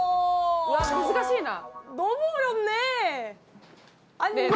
うわ難しいな！